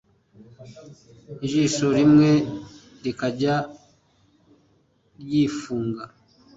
Ijisho rimweri rikajya ry'ikifunga,